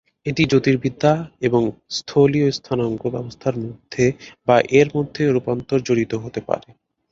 এটি জ্যোতির্বিদ্যা এবং স্থলীয় স্থানাঙ্ক ব্যবস্থার মধ্যে বা এর মধ্যে রূপান্তর জড়িত হতে পারে।